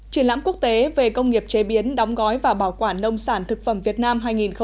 triển lãm quốc tế về công nghiệp chế biến đóng gói và bảo quản nông sản thực phẩm việt nam hai nghìn một mươi chín